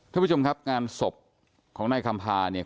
ท่านผู้ชมครับงานศพของนายคำพาเนี่ย